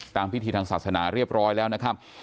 พิธีทางศาสนาเรียบร้อยแล้วนะครับ